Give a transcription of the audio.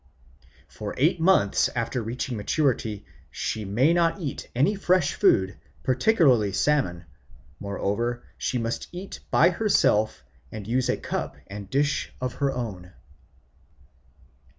For eight months after reaching maturity she may not eat any fresh food, particularly salmon; moreover, she must eat by herself, and use a cup and dish of her own.